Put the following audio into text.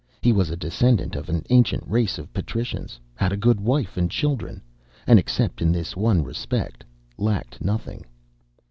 He was a descendant of an ancient race of patricians, had a good wife and children, and except in this one respect, lacked nothing.